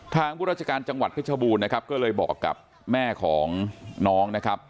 ผู้ราชการจังหวัดเพชรบูรณ์นะครับก็เลยบอกกับแม่ของน้องนะครับ